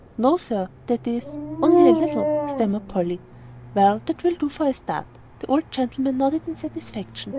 "No, sir, that is only a little," stammered Polly. "Well, that will do for a start," the old gentleman nodded in satisfaction.